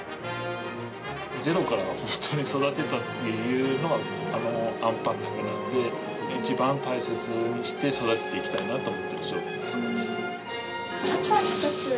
ゼロから本当に育てたっていうのは、あのあんパンだけなので、一番大切にして育てていきたいなと思ってる商品ですね。